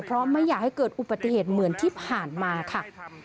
เพราะไม่อยากให้เกิดอุบัติเหตุเหมือนที่ผ่านมาค่ะ